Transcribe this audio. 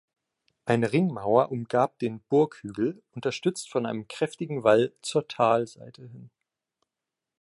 Eine Ringmauer umgab den Burghügel, unterstützt von einem kräftigen Wall zur Talseite hin.